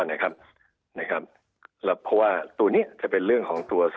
เพราะว่าตัวนี้จะเป็นเรื่องของตัวสินค้า